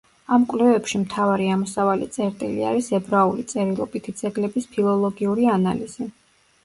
ამ კვლევებში მთავარი ამოსავალი წერტილი არის ებრაული წერილობითი ძეგლების ფილოლოგიური ანალიზი.